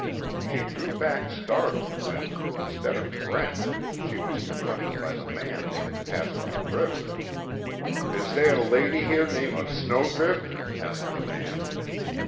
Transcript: She drew back startled when, instead of Brent she was confronted by the man they had passed on the river. "Is they a lady here name of Snowdrift?" asked the man.